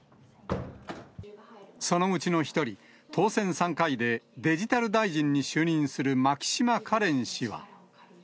そのうちの一人、当選３回でデジタル大臣に就任する牧島かれん氏は。